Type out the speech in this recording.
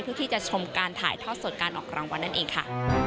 ที่จะชมการถ่ายทอดสดการออกรางวัลนั่นเองค่ะ